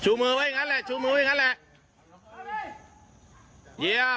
มือไว้อย่างนั้นแหละชูมืออย่างนั้นแหละ